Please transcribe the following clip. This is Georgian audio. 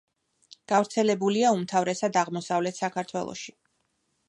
გავრცელებულია უმთავრესად აღმოსავლეთ საქართველოში.